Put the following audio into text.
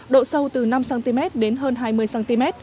độ sâu từ năm cm đến hơn hai mươi cm